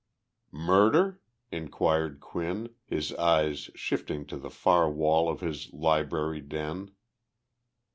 "Murder?" inquired Quinn, his eyes shifting to the far wall of his library den.